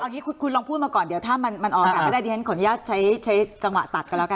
อันนี้คุณคุณลองพูดมาก่อนเดี๋ยวถ้ามันมันออกกันไม่ได้ดีเพราะฉะนั้นขออนุญาตใช้ใช้จังหวะตัดกันแล้วกัน